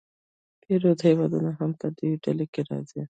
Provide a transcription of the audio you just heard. پیرو هېوادونه هم په دې ډله کې راځي.